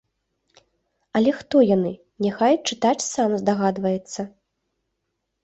Але хто яны, няхай чытач сам здагадваецца.